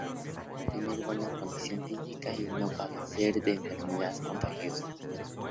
Tener buena condición física y no padecer de enfermedad contagiosa.